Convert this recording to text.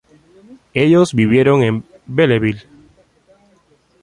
Ellos vivieron en Belleville.